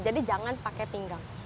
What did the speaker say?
jadi jangan pakai pinggang